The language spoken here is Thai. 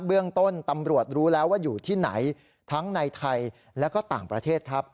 เบื้องต้นตำรวจรู้แล้วว่าอยู่ที่ไหนทั้งในไทยและก็ต่างประเทศครับ